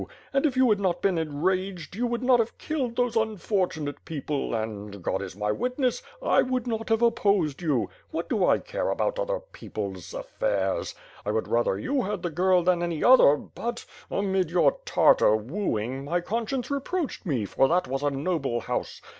And if you had not been enraged you would noi have killed those unfortunate people and, (God is my witness) I would not have opposed you. What do I care about other people's WITH FIRE AND SWORD. ^g^ aflfaire? I would rather you had "the girl than any other but, amid yx)ur Tartar wooing, my conscience reproached me for that was a noble house.